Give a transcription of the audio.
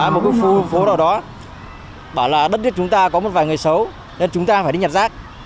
một cái khu phố nào đó bảo là đất chúng ta có một vài người xấu nên chúng ta phải đi nhặt rác